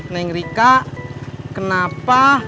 neng rika kenapa